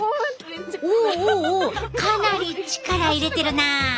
おおおかなり力入れてるなあ。